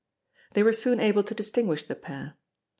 They were soon able to distinguish the pair.